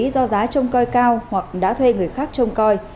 do giá trông coi cao hoặc đã thuê người khác trông coi